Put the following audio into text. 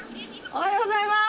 おはようございます！